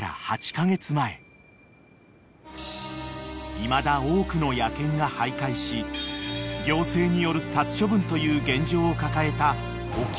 ［いまだ多くの野犬が徘徊し行政による殺処分という現状を抱えた沖縄で］